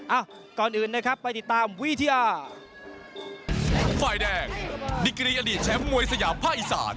อ้าวก่อนอื่นนะครับไปติดตามวิทยา